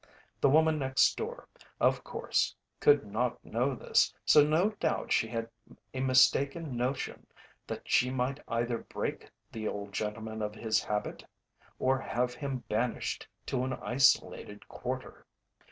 The woman next door, of course, could not know this, so no doubt she had a mistaken notion that she might either break the old gentleman of his habit or have him banished to an isolated quarter.